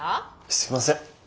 すいません